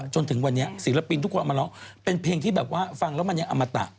จนถึงวันนี้ศิลปินทุกคนเอามาร้องเป็นเพลงที่แบบว่าฟังแล้วมันยังอมตะ